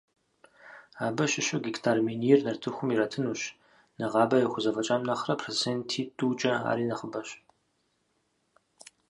Абы щыщу гектар минир нартыхум иратынущ, нэгъабэм яхузэфӀэкӀам нэхърэ проценти тӀукӀэ ари нэхъыбэщ.